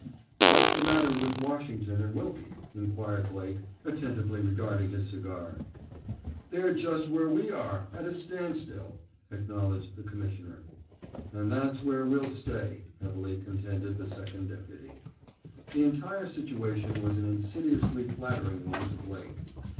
"What's the matter with Washington and Wilkie?" inquired Blake, attentively regarding his cigar. "They're just where we are—at a standstill," acknowledged the Commissioner. "And that's where we'll stay!" heavily contended the Second Deputy. The entire situation was an insidiously flattering one to Blake.